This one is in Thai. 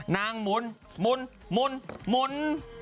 นางหมุนหมุนหมุนหมุน